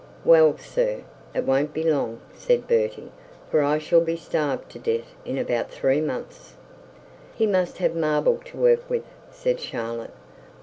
'Well, sir! it won't be long,' said Bertie; 'for I shall be starved to death in about three months.' 'He must have marble to work with,' said Charlotte.